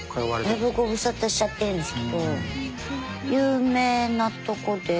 だいぶご無沙汰しちゃってるんですけど有名なとこで。